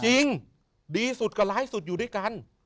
จริงดีสุดกับไลฟ์สุดอยู่ด้วยกัน